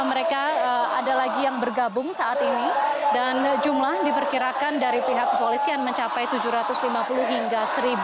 mereka ada lagi yang bergabung saat ini dan jumlah diperkirakan dari pihak kepolisian mencapai tujuh ratus lima puluh hingga satu ratus